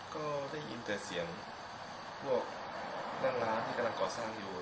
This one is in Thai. ก็ได้ยินแต่เสียงพวกด้านร้านที่กำลังก่อสร้างอยู่